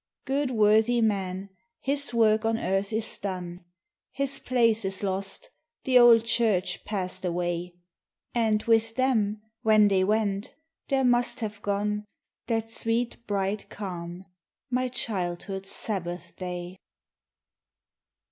Good, worthy man, his work on earth is done; His place is lost, the old church passed away; And with them, when they went, there must have gone That sweet, bright calm, my childhood's Sabbath day.